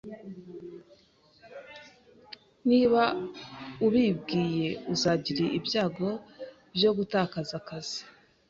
Niba ubibwiye , uzagira ibyago byo gutakaza akazi.